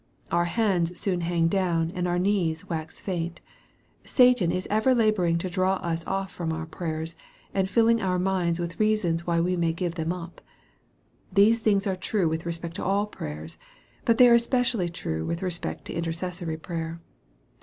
Our hands soon hang down, and our knees wax faint. Satan is ever laboring to draw us oft* from our prayers, and filling our minds with reasons why we may give them up. These things are true with respect to all prayers, but they are especially true with respect to intercessory prayer.